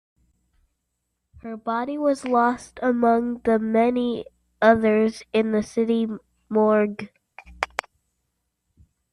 Her body was lost among the many others in the city morgue.